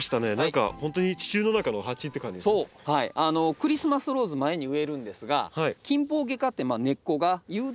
クリスマスローズ前に植えるんですがキンポウゲ科って根っこが有毒なことが多いんですよ。